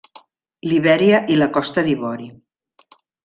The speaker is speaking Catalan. Libèria i la Costa d'Ivori.